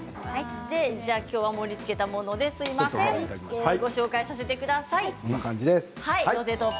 今日は盛りつけたものでご紹介させてください。